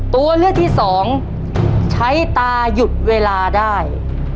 ตัวเลือกที่สองใช้ตาหยุดเวลาได้